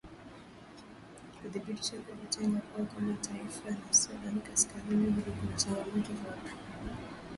kuthibitishwa kujitenga kwao kama taifa na sudan kaskazini bado kuna changamoto zinazoikabili